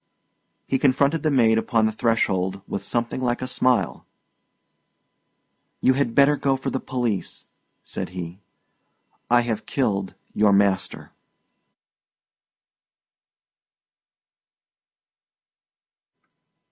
He confronted the maid upon the threshold with something like a smile. "You had better go for the police," said he; "I have killed your master."